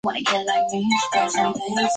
肩胛骨与肠骨都是大而粗壮。